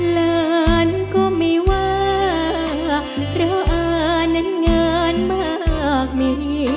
หลานก็ไม่ว่าเพราะอานั้นงานมากมี